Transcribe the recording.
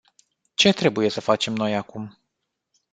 Ce trebuie să facem noi acum?